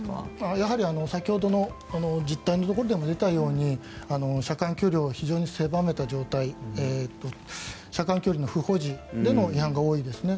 やはり先ほどの実態のところでも出たように車間距離を非常に狭めた状態車間距離の不保持での違反が多いですね。